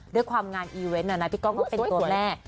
ด้วยความงานอีเวนต์พี่ก้องก็เป็นตัวแรก